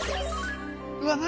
うわっ何